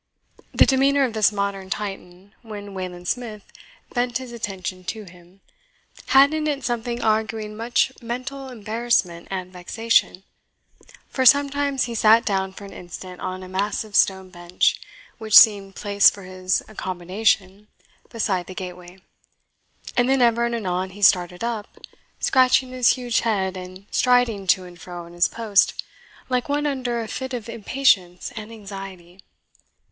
The demeanour of this modern Titan, when Wayland Smith bent his attention to him, had in it something arguing much mental embarrassment and vexation; for sometimes he sat down for an instant on a massive stone bench, which seemed placed for his accommodation beside the gateway, and then ever and anon he started up, scratching his huge head, and striding to and fro on his post, like one under a fit of impatience and anxiety.